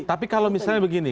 tapi kalau misalnya begini